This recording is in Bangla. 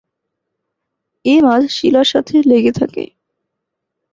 এ মাছ শিলার সাথে লেগে থাকে।